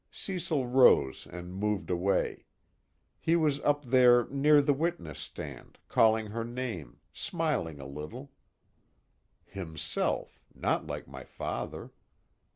Cecil rose and moved away; he was up there near the witness stand, calling her name, smiling a little _Himself, not like my father.